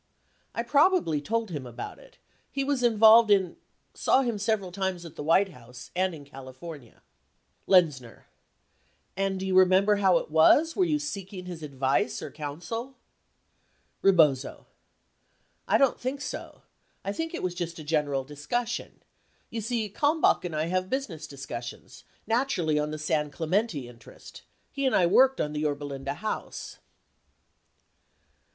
I probably told him about it. He was involved in saw him several times at the White House and in California. Lexzxf.ii. And do you remember how it was, were you seeking his advice or counsel ? Eebozo. I don't think so. I think it was just a general dis cussion. You see, Kalmbach and I have business discussions, naturally on the San Clemente interest. He and I worked on the Yorba Linda House